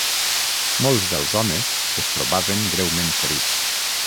Molts dels homes es trobaven greument ferits